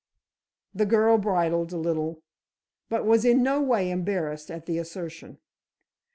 The girl bridled a little, but was in no way embarrassed at the assertion.